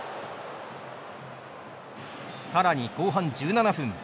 さらに後半１７分。